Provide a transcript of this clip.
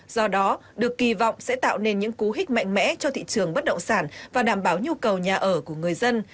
do đó được kỳ vọng sẽ tạo nên những cú hích mạnh mẽ cho thị trường bất động sản và đảm bảo nhu cầu nhà ở của người dân